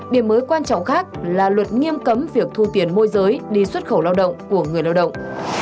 điểm mới quan trọng khác là luật nghiêm cấm việc thu tiền môi giới đi xuất khẩu lao động của người lao động